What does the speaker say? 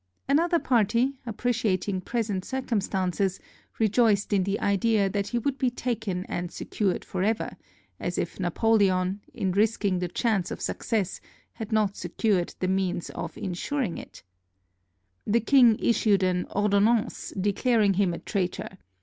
Another party, appreciating present circum stances, rejoiced in the idea that he would be taken and secured forever; as if Napoleon, in risking the chance of success, had not secured the means of insuring it! The 358 THE RETURN OF NAPOLEON FROM ELBA king issued an ordonnance declaring him a traitor.